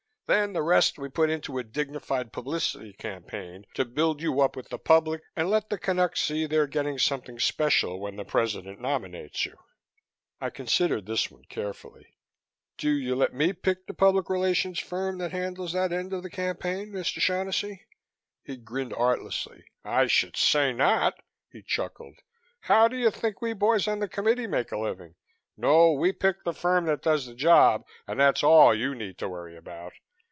Then the rest we put into a dignified publicity campaign, to build you up with the public and let the Canucks see they're getting something special when the President nominates you." I considered this one carefully. "Do you let me pick the public relations firm that handles that end of the campaign, Mr. Shaughnessy?" He grinned artlessly. "I should say not!" he chuckled. "How do you think we boys on the Committee make a living? No, we pick the firm that does the job and that's all you need worry about.